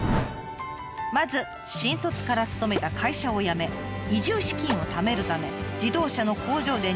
まず新卒から勤めた会社を辞め移住資金をためるため自動車の工場で２年間働きました。